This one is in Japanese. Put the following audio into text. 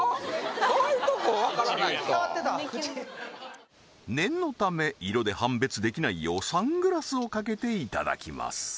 そういうとこわからないと念のため色で判別できないようサングラスをかけていただきます